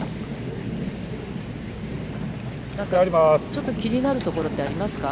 ちょっと気になるところってありますか。